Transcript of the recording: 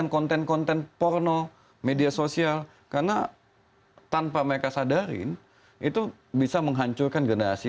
konten konten porno media sosial karena tanpa mereka sadarin itu bisa menghancurkan generasi